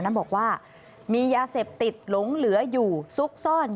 บอกว่ามียาเสพติดหลงเหลืออยู่ซุกซ่อน